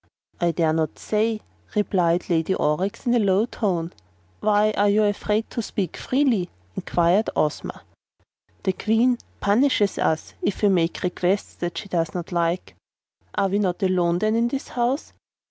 "I dare not say," replied Lady Aurex in a low tone. "Why are you afraid to speak freely?" inquired Ozma. "The Queen punishes us if we make remarks that she does not like." "Are we not alone then, in this house?"